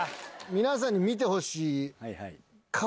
皆さんに見てほしい。